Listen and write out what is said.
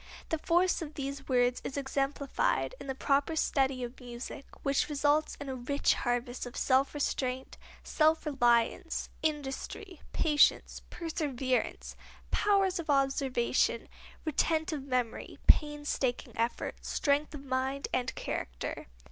The force of these words is exemplified in the proper study of music, which results in a rich harvest of self restraint, self reliance, industry, patience, perseverance, powers of observation, retentive memory, painstaking effort, strength of mind and character.